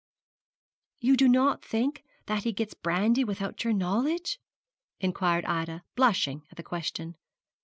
'You do not think that he gets brandy without your knowledge?' inquired Ida, blushing at the question.